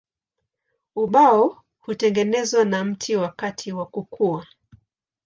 Ubao hutengenezwa na mti wakati wa kukua.